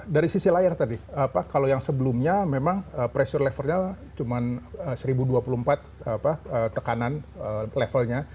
dari sisi layar tadi pak kalau yang sebelumnya memang pressure level nya cuma seribu dua puluh empat tekanan level nya